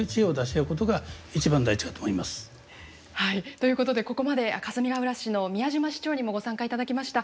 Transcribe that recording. ということでここまでかすみがうら市の宮嶋市長にもご参加いただきました。